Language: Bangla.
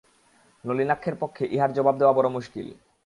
নলিনাক্ষের পক্ষে ইহার জবাব দেওয়া বড়ো মুশকিল।